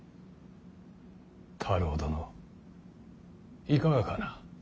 太郎殿いかがかな。